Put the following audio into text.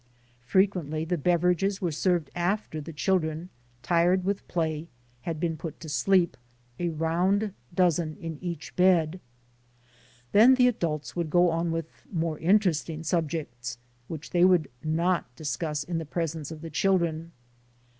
Frequently the beverages were served after the children, tired with play, had been put to sleep, a round dozen in each bed. Then the adults W9uld go on with "more interesting" sub jects, which they would not discuss in the presence of the children.